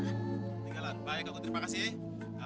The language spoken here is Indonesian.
ketinggalan baik ibu terima kasih